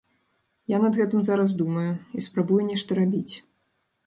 Я над гэтым зараз думаю і спрабую нешта рабіць.